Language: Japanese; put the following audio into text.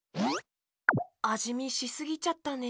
あじみしすぎちゃったね。